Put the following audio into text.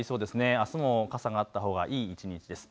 あすも傘があったほうがいい一日です。